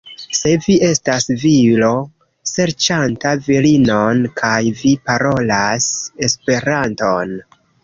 Se vi estas viro serĉanta virinon, kaj vi parolas Esperanton.